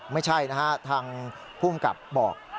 ไม่ใช่นะครับทางพุ่งกับบอก